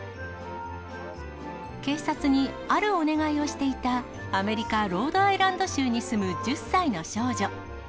警察にあるお願いをしていた、アメリカ・ロードアイランド州に住む１０歳の少女。